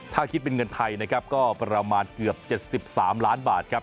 ถ้าคิดเป็นเงินไทยนะครับก็ประมาณเกือบ๗๓ล้านบาทครับ